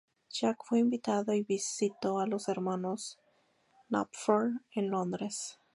Jack fue invitado y visitó a los hermanos Knopfler en Londres.